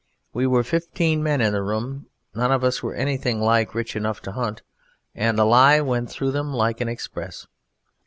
We were fifteen men in the room; none of us were anything like rich enough to hunt, and the lie went through them like an express.